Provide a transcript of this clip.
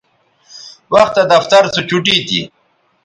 وختہ دفتر سو چوٹی تھی